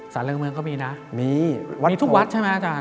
สรรเลงเมืองก็มีนะมีทุกวัดใช่ไหมอาจารย์